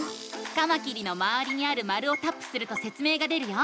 カマキリのまわりにある丸をタップするとせつ明が出るよ。